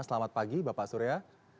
selamat pagi bapak surya